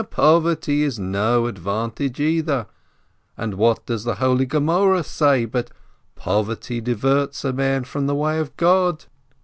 Aha ! poverty is no advan tage, either, and what does the holy Gemoreh say but "Poverty diverts a man from the way of God"?